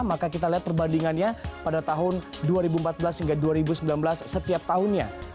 maka kita lihat perbandingannya pada tahun dua ribu empat belas hingga dua ribu sembilan belas setiap tahunnya